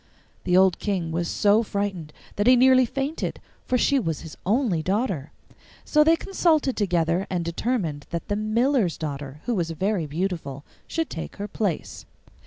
The old King was so frightened that he nearly fainted, for she was his only daughter. So they consulted together, and determined that the miller's daughter, who was very beautiful, should take her place.